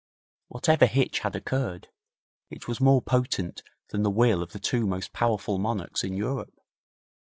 Whatever hitch had occurred, it was more potent than the will of the two most powerful monarchs in Europe.